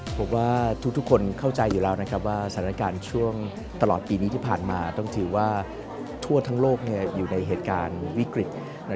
สถานการณ์ช่วงตลอดปีนี้ที่ผ่านมาต้องถือว่าทั่วทั้งโลกอยู่ในเหตุการณ์วิกฤต